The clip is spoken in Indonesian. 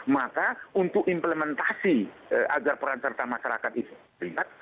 maka untuk implementasi agar perancangkan masyarakat itu dilihat